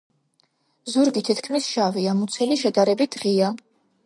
ზურგი თითქმის შავია, მუცელი შედარებით ღია.